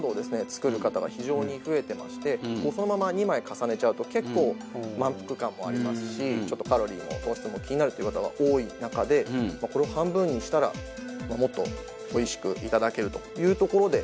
作る方が非常に増えてましてそのまま２枚重ねちゃうと結構満腹感もありますしちょっとカロリーも糖質も気になるっていう方が多い中でこれを半分にしたらもっとおいしくいただけるというところで。